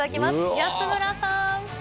安村さん。